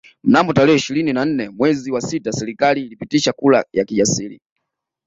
Mnamo tarehe ishirini na nne mwezi wa sita serikali ilipitisha kura ya kijasiri